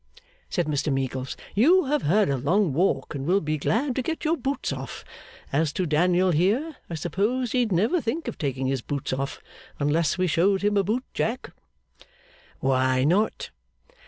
said Mr Meagles. 'You have had a long walk, and will be glad to get your boots off. As to Daniel here, I suppose he'd never think of taking his boots off, unless we showed him a boot jack.' 'Why not?